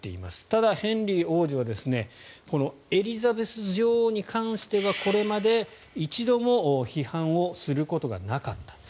ただ、ヘンリー王子はエリザベス女王に関してはこれまで一度も批判をすることがなかった。